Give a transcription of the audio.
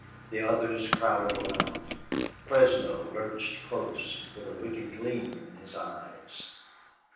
The others crowded around. Fresno lurched close, with a wicked gleam in his eyes.